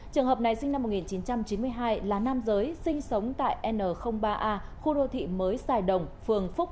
trường hợp này sinh năm một nghìn chín trăm chín mươi hai là nam giới sinh sống tại n ba a khu đô thị mới sài đồng phường phúc